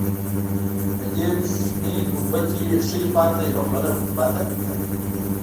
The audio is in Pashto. د دې کوچنۍ ګنبدې ښی خوا ته یوه بله ګنبده ده.